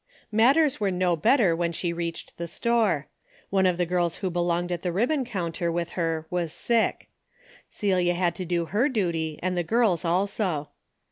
Matters were no better when she reached the store. One of the girls who belonged at the ribbon counter with her was sick. Celi? had to do her duty and the girl's also.